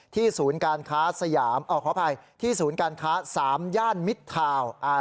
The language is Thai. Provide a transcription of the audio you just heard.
ศูนย์การค้าสยามขออภัยที่ศูนย์การค้า๓ย่านมิดทาวน์